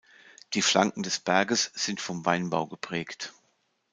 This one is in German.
Die Flanken des Berges sind vom Weinbau geprägt.